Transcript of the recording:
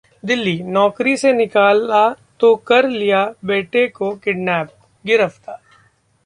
दिल्ली: नौकरी से निकाला तो कर लिया बेटे को किडनैप, गिरफ्तार